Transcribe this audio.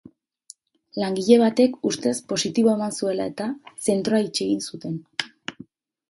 Langile batek ustez positibo eman zuela eta, zentroa itxi egin zuten.